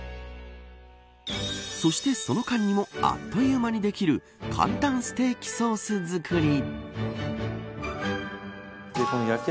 そして、その間にもあっという間にできる簡単ステーキソース作り。